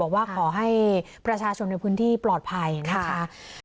ว่าขอให้ประชาชนในพื้นที่ปลอดภัยนะคะ